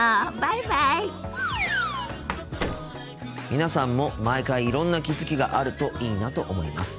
皆さんも毎回いろんな気付きがあるといいなと思います。